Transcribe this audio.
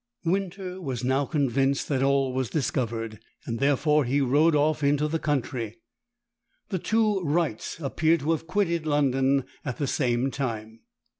Winter was now convinced that all was discovered, and therefore he rode off into the country. The two Wrights appear to have quitted London at the same time.